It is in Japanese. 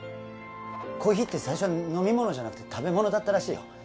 コーヒーって最初飲み物じゃなくて食べ物だったらしいよ